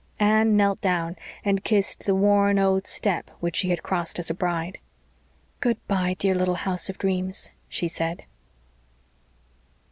Anne knelt down and kissed the worn old step which she had crossed as a bride. "Good bye, dear little house of dreams," she said.